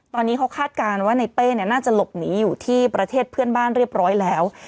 ตอนนี้เขาคาดการณ์ว่าในเป้น่าจะหลบหนีอยู่ที่ประเทศเพื่อนบ้านเรียบร้อยแล้ว